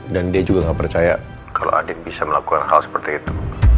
dan dia juga nggak percaya kalau andin bisa melakukan hal seperti itu